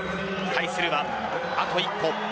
対するはあと一歩。